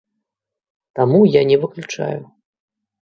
Таму я не выключаю.